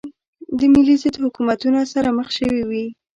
د ملي ضد حکومتونو سره مخ شوې وې.